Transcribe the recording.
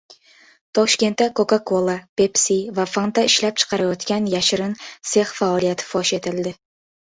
Toshkentda “Coca-cola”, “Pepsi” va “Fanta” ishlab chiqarayotgan yashirin sex faoliyati fosh etildi